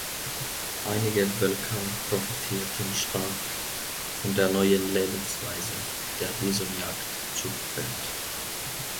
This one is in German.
Einige Völker profitierten stark von der neuen Lebensweise, der Bisonjagd zu Pferd.